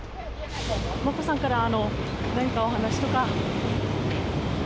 眞子さんから何かお話とか？